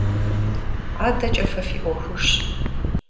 АдэкӀэ фэ фи Ӏуэхужщ.